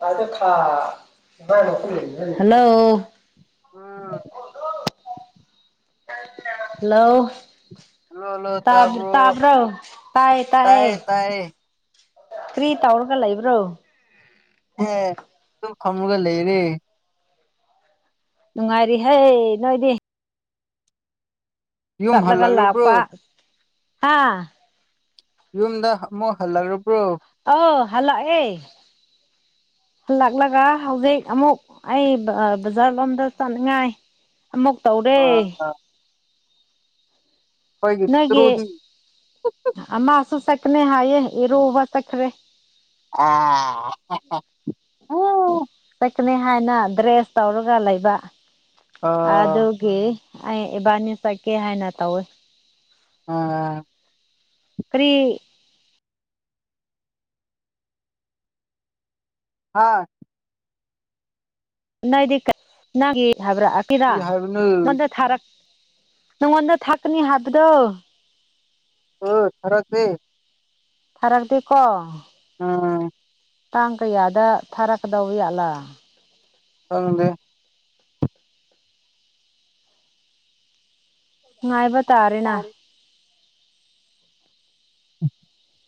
[unintelligible] Hello ꯎꯝ hello hello hello ꯇꯥꯕ ꯇꯥꯕ꯭ꯔꯣ ꯇꯥꯌꯦ ꯇꯥꯌꯦ ꯇꯥꯏꯌꯦ ꯇꯥꯏꯌꯦ ꯀ꯭ꯔꯤ ꯇꯧꯔꯒ ꯂꯩꯕ꯭ꯔꯣ ꯍꯦ ꯗꯨꯝ ꯐꯝꯃꯒ ꯂꯩꯔꯦ ꯅꯨꯡꯉꯥꯏꯔꯤ ꯍꯩ ꯅꯣꯏꯗꯤ ꯌꯨꯝ ꯆꯠꯂꯒ ꯍꯜꯂꯛꯔꯕ꯭ꯔꯣ ꯂꯥꯛꯄꯥ ꯍꯥ ꯌꯨꯝꯗ ꯑꯃꯨꯛ ꯍꯜꯂꯛꯔꯕ꯭ꯔꯣ ꯑꯥꯎ ꯍꯜꯂꯛꯑꯦ ꯍꯜꯂꯛꯂꯒ ꯍꯧꯖꯤꯛ ꯑꯃꯨꯛ ꯑꯩ ꯑꯥ ꯕꯖꯥꯔ ꯂꯣꯝꯗ ꯆꯠꯅꯤꯡꯉꯥꯏ ꯑꯃꯨꯛ ꯇꯧꯔꯦ ꯑ ꯈꯣꯏꯒꯤ ꯇ꯭ꯔꯨꯗꯤ ꯑꯥ ꯃꯥꯁꯨ ꯆꯠꯀꯅꯦ ꯍꯥꯏꯌꯦ ꯏꯔꯨꯕ ꯆꯠꯈ꯭ꯔꯦ [unintelligible] ꯆꯠꯀꯅꯤ ꯍꯥꯏꯅ ꯗ꯭ꯔꯦꯁ ꯇꯧꯔꯒ ꯂꯩꯕ ꯑ ꯑ ꯑꯗꯨꯒꯤ ꯑꯩ ꯏꯕꯥꯅꯤ ꯆꯠꯀꯦ ꯍꯥꯏꯅ ꯇꯧꯋꯦ ꯑꯥ ꯀꯔꯤ ꯍꯥ ꯅꯦꯏꯗꯤ ꯅꯪꯒꯤ ꯍꯥꯏꯕꯔꯛꯑꯀꯦꯔ ꯀꯔꯤ ꯍꯥꯏꯕꯅꯣ [unintelligible] ꯅꯣꯟꯗ ꯊꯥꯔꯛ ꯅꯪꯉꯣꯟꯗ ꯊꯥꯀꯅꯤ ꯍꯥꯕꯗꯣ꯫ ꯍ [unintelligible] ꯊꯔꯒꯅꯦ [unintelligible] ꯐꯔꯛꯇꯤ ꯀꯣ꯫ ꯑ ꯇꯥꯡ ꯀꯌꯥꯗ ꯊꯥꯔꯛꯀꯗꯧꯕ ꯖꯥꯠꯂꯥ ꯈꯪꯗꯦ ꯉꯥꯏꯕ ꯍꯥꯏꯕ ꯇꯥꯔꯦꯅ꯫ ꯇꯥꯔꯦ [unintelligible]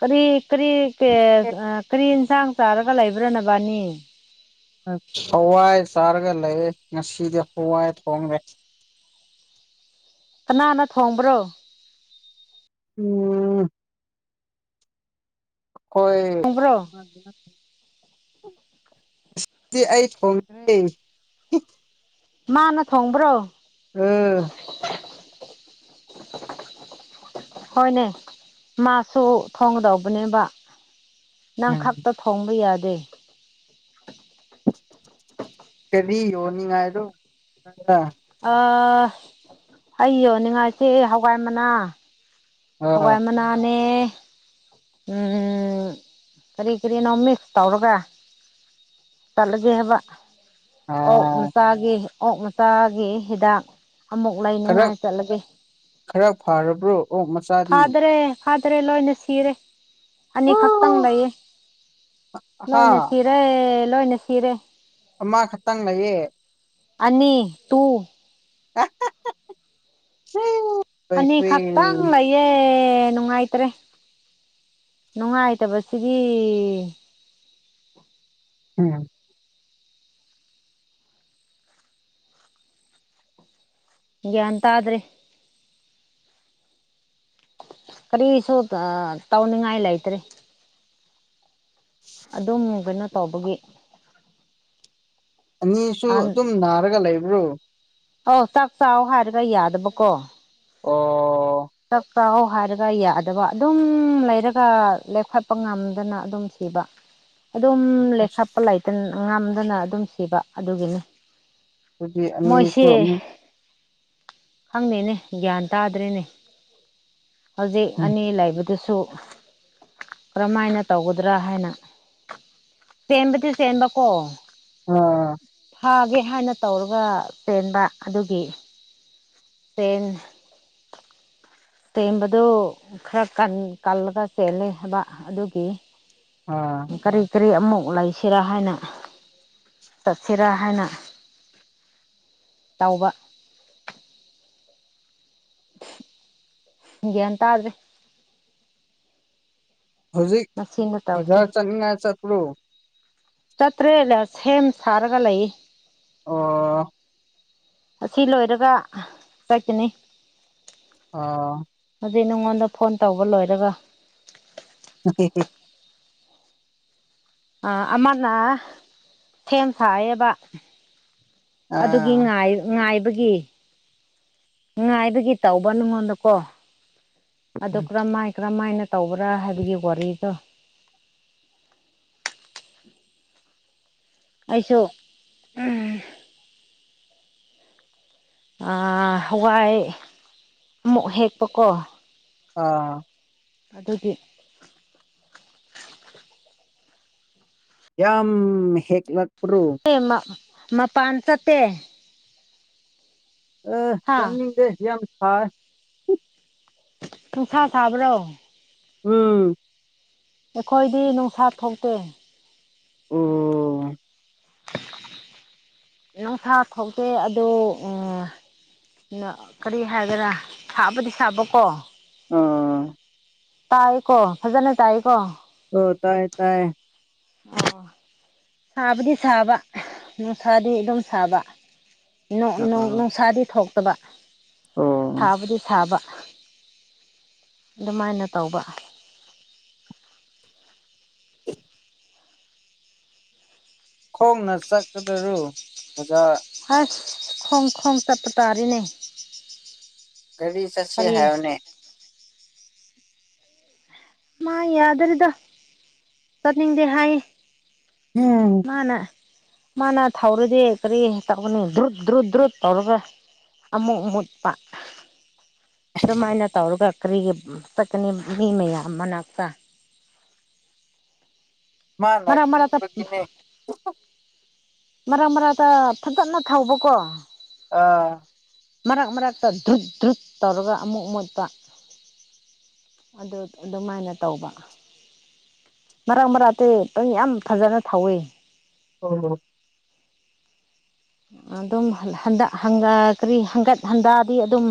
ꯀꯔꯤ ꯀꯔꯤ ꯀꯦꯁ ꯑ ꯀꯔꯤ ꯏꯟꯁꯥꯡ ꯆꯥꯔꯒ ꯂꯩꯕ꯭ꯔꯥ ꯅꯕꯥꯅꯤ꯫ ꯍꯋꯥꯏ ꯆꯥꯔꯒ ꯂꯩꯌꯦ ꯉꯁꯤꯗꯤ ꯍꯋꯥꯏ ꯊꯣꯡꯉꯦ꯫ ꯀꯅꯥꯅ ꯊꯣꯡꯕ꯭ꯔꯣ꯫ ꯎꯝ ꯍꯣꯏ ꯊꯣꯡꯕ꯭ꯔꯣ ꯗꯤ ꯑꯩ ꯊꯣꯡꯗꯔꯦ꯫ ꯃꯥꯅ ꯊꯣꯡꯕ꯭ꯔꯣ꯫ ꯎꯝ [unintelligible] ꯍꯣꯏꯅꯦ ꯃꯥꯁꯨ ꯊꯣꯡꯒꯗꯧꯕꯅꯦꯕ꯫ ꯅꯪ ꯈꯛꯇ ꯊꯣꯡꯕ ꯌꯥꯗꯦ꯫ ꯀꯔꯤ ꯌꯣꯟꯅꯤꯡꯉꯥꯏꯗꯣ [unintelligible] ꯑ ꯑꯩ ꯌꯣꯟꯅꯤꯡꯉꯥꯏꯁꯦ ꯍꯋꯥꯏ ꯃꯅꯥ ꯍꯋꯥꯏ ꯑꯥ ꯃꯅꯥꯅꯦ ꯎꯝ ꯀꯔꯤ ꯀꯔꯤꯅꯣ ꯃꯤꯛꯁ ꯇꯧꯔꯒ꯫ ꯆꯠꯂꯒꯦ ꯍꯥꯏꯕ ꯑꯥ ꯑꯣꯛ ꯃꯆꯥꯒꯤ ꯑꯣꯛ ꯃꯆꯥꯒꯤ ꯍꯤꯗꯥꯛ ꯑꯃꯨꯛ ꯈꯔ ꯂꯩꯅꯉꯥꯏ ꯆꯠꯂꯒꯦ꯫ ꯈꯔ ꯐꯥꯔꯕ꯭ꯔꯣ ꯑꯣꯛ ꯃꯆ ꯐꯥꯗꯔꯦ ꯐꯥꯗꯔꯦ ꯂꯣꯏꯅ ꯁꯤꯔꯦ ꯑꯅꯤꯈꯛꯇꯪ ꯂꯩꯌꯦ꯫ ꯍꯥ ꯂꯣꯏꯅ ꯁꯤꯔꯦ ꯂꯣꯏꯅ ꯁꯤꯔꯦ꯫ ꯑꯃ ꯈꯛꯇꯪ ꯂꯩꯌꯦ꯫ ꯑꯅꯤ ꯇꯨ꯫ ꯁꯤ [unintelligible] ꯑꯅꯤ ꯈꯥꯛ ꯇꯪ ꯂꯩ꯫ ꯌꯦ ꯅꯨꯡꯉꯥꯏꯇꯔꯦ ꯅꯨꯡꯉꯥꯏꯇꯕꯁꯤꯗꯤ ꯎꯝ ꯒ꯭ꯌꯥꯟ ꯇꯥꯗ꯭ꯔꯦ꯫ ꯀꯔꯤꯁꯨ ꯑ ꯇꯧꯅꯤꯡꯉꯥꯏ ꯂꯩꯇꯔꯦ꯫ ꯑꯗꯨꯝ ꯀꯩꯅꯣ ꯇꯧꯕꯒꯤ꯫ ꯑꯅꯤꯁꯨ ꯑꯗꯨꯝ ꯅꯥꯔꯒ ꯂꯩꯕ꯭ꯔꯣ꯫ ꯑꯧ ꯆꯥꯛ ꯆꯥꯎꯋꯣ ꯍꯥꯏꯔꯒ ꯌꯥꯗꯕꯀꯣ꯫ ꯑꯣ ꯆꯥꯛ ꯆꯥꯋꯣ ꯍꯥꯏꯔꯒ ꯌꯥꯗꯕ ꯑꯗꯨꯝ ꯂꯩꯔꯒ ꯂꯦꯞꯈꯠꯄ ꯉꯝꯗꯅ ꯑꯗꯨꯝ ꯁꯤꯕ꯫ ꯑꯗꯨꯝ ꯑꯁ ꯂꯦꯞꯈꯞꯄ ꯂꯩꯇꯅ ꯉꯝꯗꯅ ꯑꯗꯨꯝ ꯁꯤꯕ ꯑꯗꯨꯒꯤꯅꯤ꯫ ꯑꯗꯨꯗꯤ ꯑꯅꯤꯁꯨ ꯃꯣꯏꯁꯦ ꯑꯃꯨꯛ ꯈꯪꯗꯦꯅꯦ ꯒ꯭ꯌꯥꯟ ꯇꯥꯗ꯭ꯔꯦꯅꯦ ꯍꯧꯖꯤꯛ ꯑꯅꯤ ꯂꯩꯕꯗꯨꯁꯨ ꯀꯔꯝꯍꯥꯏꯅ ꯇꯧꯒꯗ꯭ꯔꯥ ꯍꯥꯏꯅ ꯆꯦꯟꯕꯗꯤ ꯆꯦꯟꯕꯀꯣ꯫ ꯑꯥ ꯊꯥꯒꯦ ꯍꯥꯏꯅ ꯇꯧꯔꯒ ꯆꯦꯟꯕ ꯑꯗꯨꯒꯤ [unintelligible] ꯆꯦꯝꯕꯗꯨ ꯈꯔ ꯀꯜꯂꯒ ꯆꯦꯜꯂꯦ ꯍꯥꯏꯕ ꯑꯗꯨꯒꯤ꯫ ꯑꯥ ꯀꯔꯤ ꯀꯔꯤ ꯑꯃꯨꯛ ꯂꯩꯁꯤꯔꯥ ꯍꯥꯏꯅ ꯆꯠꯁꯤꯔꯥ ꯍꯥꯏꯅ ꯇꯧꯕ [unintelligible] ꯒ꯭ꯌꯥꯟ ꯇꯥꯗ꯭ꯔꯦ ꯍꯧꯖꯤꯛ ꯃꯁꯤꯅ ꯇꯧꯁꯤ ꯕꯖꯥꯔ ꯆꯠꯅꯤꯉꯥꯏ ꯆꯠꯄ꯭ꯔꯣ ꯆꯠꯇ꯭ꯔꯦ ꯁꯦꯝ ꯁꯥꯔꯒ ꯂꯩ ꯑꯣ ꯑꯁꯤ ꯂꯣꯏꯔꯒ ꯆꯠꯀꯅꯤ ꯑ ꯍꯧꯖꯤꯛ ꯅꯉꯣꯟꯗ ꯐꯣꯟ ꯇꯧꯕ ꯂꯣꯏꯔꯒ [unintelligible] ꯑ ꯑꯃꯅ ꯊꯦꯝ ꯁꯥꯥꯏꯌꯦꯕ ꯑꯗꯨꯒꯤ ꯑꯥ ꯉꯥꯏ ꯉꯥꯏꯕꯒꯤ ꯉꯥꯏꯕꯒꯤ ꯇꯧꯕ ꯅꯉꯣꯟꯗꯀꯣ ꯑꯗꯨ ꯀꯔꯝꯃꯥꯏ ꯀꯔꯝꯃꯥꯏꯅ ꯇꯧꯕ꯭ꯔꯥ ꯍꯥꯏꯕꯒꯤ ꯋꯥꯔꯤꯗꯣ ꯑꯩꯁꯨ ꯎꯝ ꯍꯋꯥꯏ ꯑꯃꯨꯛ ꯍꯦꯛꯄꯀꯣ ꯑ ꯑꯗꯨꯒꯤ ꯌꯥꯝ ꯍꯦꯛꯂꯛ ꯑꯦ ꯃꯄꯥꯟ ꯆꯠꯇꯦ ꯑ ꯍꯥ ꯆꯠꯅꯤꯡꯗꯦ ꯌꯥꯝ ꯁꯥꯏ ꯅꯨꯡꯁꯥ ꯁꯥꯕ꯭ꯔꯣ ꯎꯝ ꯑꯩꯈꯣꯏꯗꯤ ꯅꯨꯡꯁꯥ ꯊꯣꯛꯇꯦ ꯑꯣ ꯅꯪꯁꯥ ꯊꯣꯛꯇꯦ ꯑꯗꯣ ꯀꯔꯤ ꯍꯥꯏꯒꯦꯔꯥ ꯁꯥꯕꯗꯤ ꯁꯥꯕꯀꯣ ꯑꯥ ꯇꯥꯏꯀꯣ ꯐꯖꯅ ꯇꯥꯏꯀꯣ ꯑꯣ ꯇꯥꯏꯌꯦ ꯇꯥꯏꯌꯦ ꯑꯣ ꯁꯥꯕꯨꯗꯤ ꯁꯥꯕ ꯅꯨꯡꯁꯥꯗꯤ ꯑꯗꯨꯝ ꯁꯥꯕ ꯅꯨꯡ ꯅꯨꯡ ꯑ ꯅꯨꯡꯁꯥꯗꯤ ꯊꯣꯛꯇꯕ ꯑꯣ ꯁꯥꯕꯗꯤ ꯁꯥꯕ ꯑꯗꯨꯃꯥꯏꯅ ꯇꯧꯕ ꯈꯣꯡꯅ ꯆꯠꯄꯗꯨꯔꯨ ꯑꯣꯖꯥ ꯑꯁ ꯈꯣꯡ ꯈꯣꯡ ꯆꯠꯄ ꯇꯥꯔꯦꯅꯦ ꯒꯥꯔꯤ ꯆꯠꯁꯦ ꯀꯔꯤ ꯍꯥꯏꯌꯨꯅꯦ ꯃꯥ ꯌꯥꯗꯔꯦꯗ ꯆꯠꯅꯤꯡꯗꯦ ꯍꯥꯏꯌꯦ ꯎꯝ ꯃꯥꯅ ꯃꯥꯅ ꯊꯧꯔꯗꯤ ꯀꯔꯤ ꯇꯧꯒꯅꯤ ꯗ꯭ꯔꯨꯠ ꯗ꯭ꯔꯨꯠ ꯗ꯭ꯔꯨꯠ ꯇꯧꯔꯒ ꯑꯃꯨꯛ ꯃꯨꯠꯄ ꯑꯗꯨꯃꯥꯏꯅ ꯇꯧꯔꯒ ꯀꯔꯤꯒꯤ ꯆꯠꯀꯅꯤ ꯃꯤ ꯃꯌꯥꯝ ꯃꯅꯥꯛꯇ ꯃꯥꯅ ꯃꯔꯛ ꯃꯔꯛꯇ [inaudible] ꯀꯤꯕꯒꯤꯅꯦ ꯃꯔꯛ ꯃꯔꯛꯇ ꯐꯖꯅ ꯊꯧꯕꯀꯣ ꯑꯥ ꯃꯔꯛ ꯃꯔꯛꯇ ꯭ꯗꯔꯨꯠ ꯗ꯭ꯔꯨꯠ ꯇꯧꯔꯒ ꯑꯃꯨꯛ ꯨꯃꯨꯠꯇ ꯑꯗꯨ ꯑꯗꯨꯃꯥꯏꯅ ꯇꯧꯕ ꯃꯔꯛ ꯃꯔꯛꯇꯤ ꯄꯪ [unintelligible] ꯌꯥꯝ ꯐꯖꯅ ꯊꯧꯏ ꯑꯣ ꯍꯣ ꯑꯗꯨꯝ ꯍꯟꯗꯥꯍꯟꯒ ꯀꯔꯤ ꯍꯟꯗꯥꯍꯟꯒꯗꯤ ꯑꯗꯨꯝ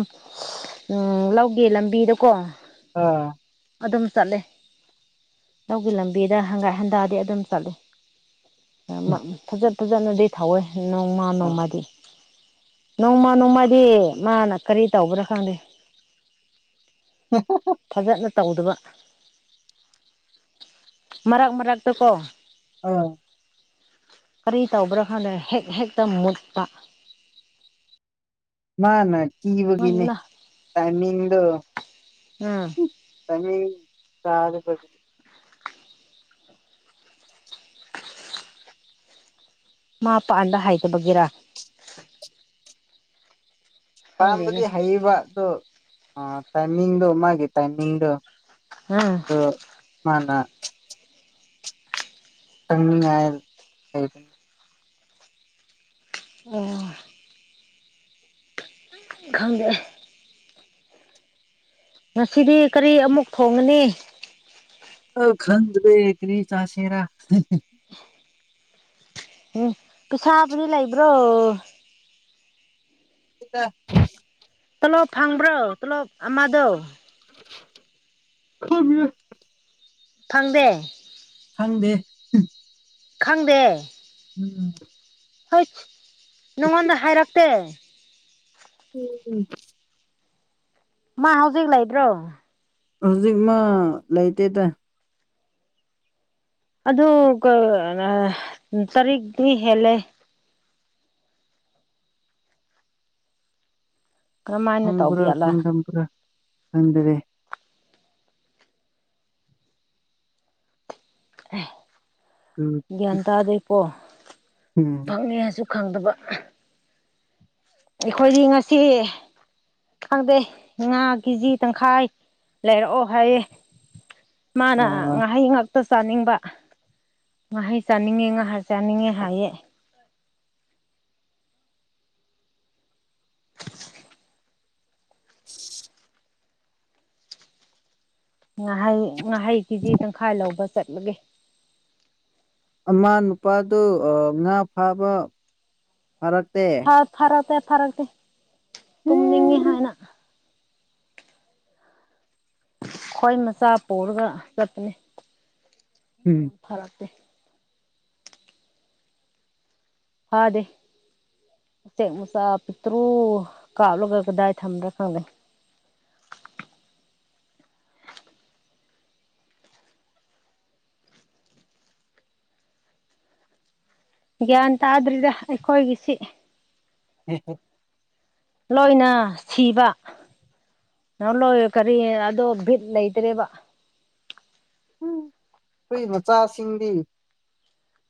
ꯎꯝ ꯂꯧꯒꯤ ꯂꯝꯕꯤꯗꯀꯣ ꯑ ꯑꯗꯨꯝ ꯆꯠꯂꯦ ꯂꯧꯒꯤ ꯂꯝꯕꯤꯗ ꯍꯪꯒꯠ ꯍꯟꯗꯥꯗꯤ ꯑꯗꯨꯝ ꯆꯠꯂꯤ ꯐꯖꯠ ꯐꯖꯅꯗꯤ ꯊꯥꯎꯋꯦꯍꯥꯏꯌꯦ ꯅꯣꯡꯃ ꯅꯣꯡꯃꯗꯤ ꯅꯣꯡꯃ ꯅꯣꯡꯃꯗꯤ ꯃꯥꯅ ꯀꯔꯤ ꯇꯧꯕ꯭ꯔꯥ ꯈꯪꯗꯦ ꯍꯦ ꯍꯨ ꯍꯨ ꯐꯖꯅ ꯇꯧꯗꯕ ꯃꯔꯛ ꯃꯔꯛꯇ ꯀꯣ ꯑ ꯀꯔꯤ ꯇꯧꯕ꯭ꯔꯥ ꯀꯥꯟꯗ ꯍꯦꯛ ꯍꯦꯛꯇ ꯃꯨꯠꯄ ꯃꯥꯅꯥ ꯀꯤꯕꯒꯤꯅꯤ ꯉꯟꯅ ꯇꯥꯏꯃꯤꯡꯗꯨ ꯎꯝ ꯇꯥꯏꯃꯤꯡ ꯆꯥꯗꯕ ꯃꯥꯄꯥꯟꯗ ꯍꯥꯏꯗꯕꯒꯤꯦꯔꯥ ꯈꯪꯗꯦꯅꯦ ꯑꯥꯝꯕꯗꯤ ꯍꯩꯕ ꯑꯗꯣ ꯇꯥꯏꯃꯤꯡꯗꯣ ꯃꯥꯒꯤ ꯇꯥꯏꯃꯤꯡꯗꯣ ꯑꯝ ꯃꯅ ꯑꯣ ꯈꯪꯗꯦ ꯉꯁꯤꯗꯤ ꯀꯔꯤ ꯑꯃꯨꯛ ꯊꯣꯡꯉꯅꯤ ꯑ ꯈꯟꯕꯦ ꯀ꯭ꯔꯤ ꯆꯥꯥꯁꯦꯔꯥ ꯄꯩꯁꯥꯕꯨꯗꯤ ꯂꯩꯕ꯭ꯔꯣ ꯁꯤꯗ ꯇꯣꯂꯣꯞ ꯐꯪꯕ꯭ꯔꯣ ꯇꯣꯂꯣꯞ ꯑꯃꯗꯣ ꯈꯕꯤ ꯐꯪꯗꯦ ꯈꯪꯗꯦ ꯈꯪꯗꯦ ꯎꯝ ꯍꯣꯏ ꯅꯉꯣꯟꯗ ꯍꯥꯏꯔꯛꯇꯦ ꯎꯝ ꯃꯥ ꯍꯧꯖꯤꯛ ꯂꯩꯕ꯭ꯔꯣ ꯍꯧꯖꯤꯛꯃ ꯂꯩꯇꯦꯗ ꯑꯗꯨ ꯇꯔꯦꯛꯇꯗꯤ ꯍꯦꯜꯂꯦ ꯀꯔꯝꯍꯥꯏꯅ ꯐꯣꯡ ꯇꯧꯕ ꯄꯨꯔꯥ ꯌꯥꯠꯂꯥ ꯐꯪ ꯊꯝ ꯄꯨꯔꯥ ꯐꯟꯗꯔꯦ ꯑ [unintelligible] ꯎꯝ ꯒ꯭ꯌꯥꯟ ꯇꯥꯗꯦꯀꯣ ꯐꯪꯅꯤ ꯍꯥꯏꯕꯁꯨ ꯈꯪꯗꯕ ꯑꯩꯈꯣꯏꯗꯤ ꯉꯁꯤ ꯈꯪꯗꯦ ꯉꯥ ꯀꯦꯖꯤ ꯇꯪꯈꯥꯏ ꯂꯩꯔꯛꯑꯣ ꯍꯥꯏꯌꯦꯦ ꯃꯥꯅ ꯑ ꯍ ꯉ ꯑꯇ ꯆꯥꯅꯤꯡꯕ ꯉꯥꯍꯩ ꯆꯥꯅꯤꯡꯉꯦ ꯉꯥꯍꯥ ꯆꯥꯅꯤꯡꯉꯦ ꯍꯥꯏꯌꯦ [inaudible] ꯉꯍꯥꯏ ꯉꯍꯩ ꯀꯦꯖꯤ ꯇꯪꯈꯥꯏ ꯂꯧꯕ ꯆꯠꯂꯒꯦ ꯃ ꯅꯨꯄꯥꯗꯨ ꯉꯥ ꯐꯥꯕ ꯐꯥꯔꯛꯇꯦ ꯐꯔꯛꯇꯦ ꯐꯔꯛꯇꯦ ꯇꯨꯝꯅꯤꯡꯉꯤ ꯎꯝ ꯍꯥꯏꯅ ꯑꯈꯣꯏ ꯃꯆꯥ ꯄꯨꯔꯒ ꯆꯠꯄꯅꯤ ꯎꯝ ꯐꯔꯛꯄꯦ ꯍꯗꯦ ꯎꯆꯦꯛ ꯃꯨꯆꯥ ꯄꯤꯠꯇ꯭ꯔꯨ ꯀꯥꯞꯂꯒ ꯀꯗꯥꯏ ꯊꯝꯗ꯭ꯔꯥ ꯈꯪꯅꯩ ꯒ꯭ꯌꯥꯟ ꯇꯥꯗ꯭ꯔꯤꯗ ꯑꯩꯈꯣꯏꯒꯤꯁꯤ [unintelligible] ꯂꯣꯏꯅ ꯁꯤꯕ ꯅꯪ ꯂꯣꯏ ꯀꯔꯤ ꯑꯗꯣ ꯚꯤꯠ ꯂꯩꯇ꯭ꯔꯦꯕ ꯎꯝ ꯍꯨꯏ ꯃꯆꯥꯁꯤꯡꯗꯤ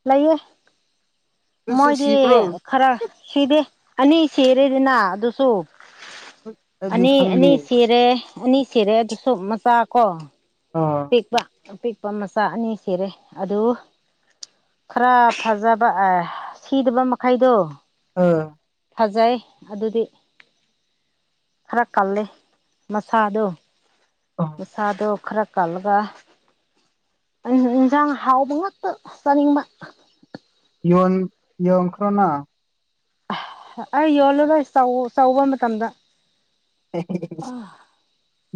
ꯂꯩꯌꯦ ꯑꯗꯨꯁꯨ ꯃꯣꯏꯗꯤ ꯁꯤꯕ꯭ꯔꯣ ꯈꯔ ꯁꯤꯗꯦ ꯑꯅꯤ ꯁꯤꯔꯦꯗꯅ ꯑꯗꯨꯁꯨ ꯑꯩꯗꯤ ꯑꯅꯤ ꯑꯅꯤ ꯈꯪꯗꯦ ꯁꯤ ꯔꯦ ꯑꯅꯤ ꯁꯤꯔꯦ ꯑꯗꯨ ꯃꯆꯥ ꯀꯣ ꯑꯥ ꯄꯤꯛꯄ ꯑꯄꯤꯛꯄ ꯃꯆꯥ ꯑꯅꯤ ꯁꯤꯔꯦ ꯑꯗꯨ ꯈꯔ ꯐꯖꯕ ꯑ ꯁꯤꯗꯕ ꯃꯈꯩꯗꯣ ꯑꯥ ꯐꯖꯩ ꯑꯗꯨꯗꯤ ꯈꯔ ꯀꯜꯂꯦ ꯃꯁꯥꯗꯣ ꯃꯁꯥꯗꯣ ꯈꯔ ꯀꯂꯒ ꯑꯩꯅ ꯏꯟꯖꯥꯡ ꯍꯥꯎꯕ ꯉꯥꯛꯇ ꯆꯥꯅꯤꯡꯕ ꯌꯣꯟ ꯌꯣꯟꯈ꯭ꯔꯣꯅ ꯑꯩ ꯌꯣꯜꯂꯂꯣꯏ ꯆꯧ ꯆꯧꯕ ꯃꯇꯝꯗ [unintelligible]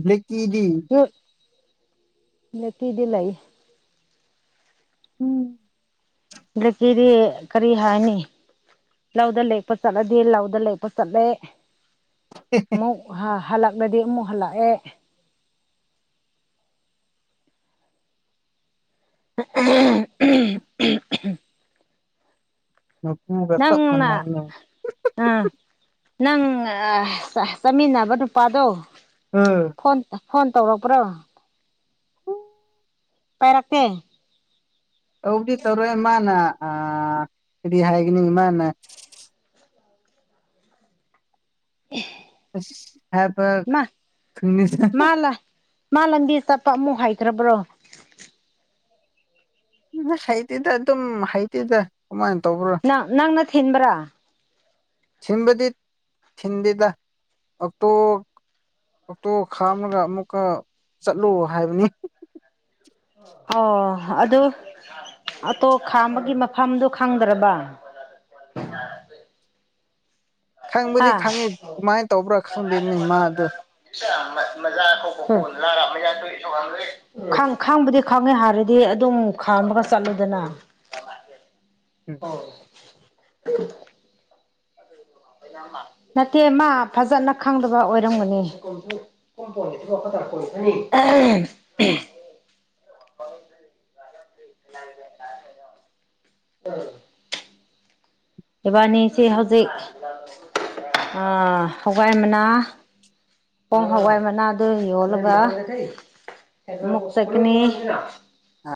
ꯕ꯭ꯂꯀꯤꯗꯤ ꯅꯠꯇꯤꯗꯤ ꯂꯩ ꯎꯝ ꯒ꯭ꯔꯤꯇꯤꯗꯤ ꯀꯔꯤ ꯍꯥꯏꯅꯤ ꯂꯧꯗ ꯂꯦꯛꯄ ꯆꯠꯂꯗꯤ ꯂꯧꯗ ꯂꯦꯛꯄ ꯆꯠꯂꯦ ꯑꯃꯨꯛ ꯍꯜꯂꯛꯂꯗꯤ ꯑꯃꯨꯛ ꯍꯜꯂꯛꯑꯦ [unintelligible] ꯅꯪꯅ [unintelligible] ꯑꯥ ꯅꯪ ꯑꯥ ꯆꯠꯃꯤꯟꯅꯕ ꯅꯨꯄꯥꯗꯣ [unintelligible] ꯐꯣꯟ ꯐꯣꯟ ꯇꯧꯔꯛꯄ꯭ꯔꯣ ꯄꯥꯏꯔꯛꯇꯦ ꯇꯧꯗꯤ ꯇꯧꯔꯣꯏ ꯃꯥꯅ ꯑ ꯀꯔꯤ ꯍꯥꯏꯒꯅꯤ ꯃꯥꯅ [unintelligible] ꯑꯁ ꯍꯥꯏꯕ ꯃꯥ ꯃꯥ ꯂꯝꯗꯤ ꯆꯠꯄ ꯑꯃꯛ ꯍꯥꯏꯇ꯭ꯔꯕ꯭ꯔꯣ ꯍꯩꯇꯤꯗ ꯑꯗꯨꯝ ꯍꯩꯇꯤꯗ ꯀꯃꯥꯏꯅ ꯇꯧꯕ꯭ꯔꯥ ꯅꯪ ꯅꯪꯅ ꯊꯤꯟꯕ꯭ꯔꯥ ꯊꯤꯟꯕꯗꯤ ꯊꯤꯟꯗꯦꯗ ꯑꯣꯛꯇꯣ ꯑꯣꯛꯇꯣ ꯈꯥꯝꯂꯒ ꯑꯃꯨꯛꯀ ꯆꯠꯂꯣ ꯍꯥꯏꯕꯅꯤ ꯑꯣ ꯑꯗꯨ ꯑꯇꯣ ꯈꯥꯝꯕꯒꯤ ꯃꯐꯝꯗꯨ ꯈꯪꯗ꯭ꯔꯕ ꯈꯪꯕꯨꯗꯤ ꯍꯥ ꯈꯪꯉꯤ ꯀꯃꯥꯏꯅ ꯇꯧꯕ꯭ꯔꯥ ꯈꯪꯗꯦꯅꯤ ꯃꯥꯗꯨ [unintelligible] ꯈꯪ ꯈꯪꯕꯗꯤ ꯈꯪꯉꯦ ꯍꯥꯏꯔꯗꯤ ꯑꯗꯨꯝ ꯈꯥꯝꯃꯒ ꯆꯠꯂꯨꯗꯅ ꯑꯣ [inaudible] ꯅꯠꯇꯦ ꯃꯥ ꯐꯖꯅ ꯈꯪꯗꯕ ꯑꯣꯏꯔꯝꯒꯅꯤ [unintelligible] ꯏꯕꯥꯅꯤꯁꯤ ꯍꯧꯖꯤꯛ ꯑꯥ ꯍꯋꯥꯏ ꯃꯅꯥ ꯄꯣꯡ ꯍꯋꯥꯏ ꯃꯅꯥꯗꯨ ꯌꯣꯜꯂꯒ [unintelligible]